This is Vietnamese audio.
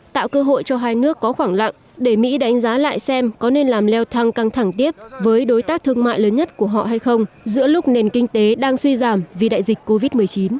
tạo cơ hội cho hai nước có khoảng lặng để mỹ đánh giá lại xem có nên làm leo thăng căng thẳng tiếp với đối tác thương mại lớn nhất của họ hay không giữa lúc nền kinh tế đang suy giảm vì đại dịch covid một mươi chín